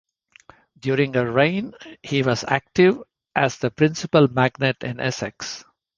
During her reign he was active as the principal magnate in Essex.